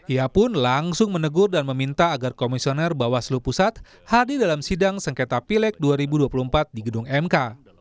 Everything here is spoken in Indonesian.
ia pun langsung menegur dan meminta agar komisioner bawaslu pusat hadir dalam sidang sengketa pilek dua ribu dua puluh empat di gedung mk